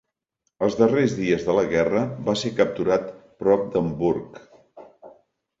Els darrers dies de la guerra va ser capturat prop d'Hamburg.